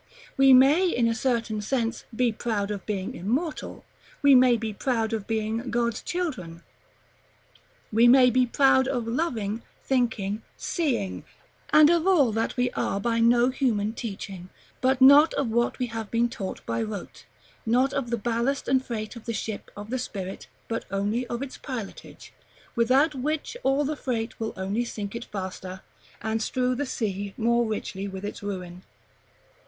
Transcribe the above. We may, in a certain sense, be proud of being immortal; we may be proud of being God's children; we may be proud of loving, thinking, seeing, and of all that we are by no human teaching: but not of what we have been taught by rote; not of the ballast and freight of the ship of the spirit, but only of its pilotage, without which all the freight will only sink it faster, and strew the sea more richly with its ruin.